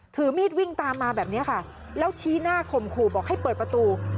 ถือมีดวิ่งตามมาแบบนี้ค่ะแล้วชี้หน้าข่มขู่บอกให้เปิดประตู